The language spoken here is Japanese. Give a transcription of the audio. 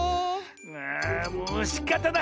ああもうしかたない！